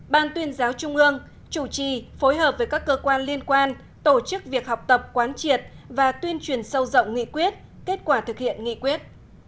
ban tuyên giáo trung ương chủ trì phối hợp với các cơ quan liên quan tổ chức việc học tập quán triệt và tuyên truyền sâu rộng nghị quyết kết quả thực hiện nghị quyết